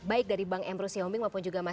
diberikan oleh pencapaian petahana